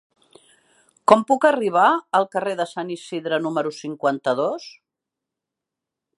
Com puc arribar al carrer de Sant Isidre número cinquanta-dos?